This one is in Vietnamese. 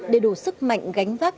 để đủ sức mạnh gánh vác